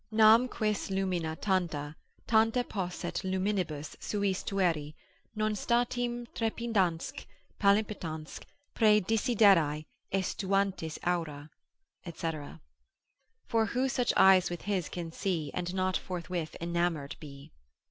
Nam quis lumina tanta, tanta Posset luminibus suis tueri, Non statim trepidansque, palpitansque, Prae desiderii aestuantis aura? &c. For who such eyes with his can see, And not forthwith enamour'd be!